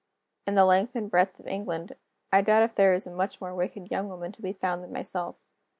In the length and breadth of England, I doubt if there is a much more wicked young woman to be found than myself.